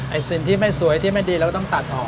สิ่งที่ไม่สวยที่ไม่ดีเราก็ต้องตัดออก